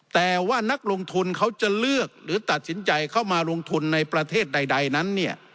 แต่ว่านักลงทุนเขาจะเลือกหรือตัดสินใจเข้ามาลงทุนในประเทศใดนั้นเนี่ย